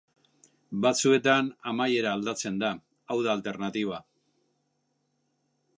Batzuetan amaiera aldatzen da, hau da alternatiba.